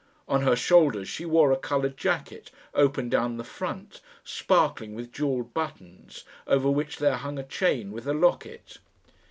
On her shoulders she wore a coloured jacket, open down the front, sparkling with jewelled buttons, over which there hung a chain with a locket.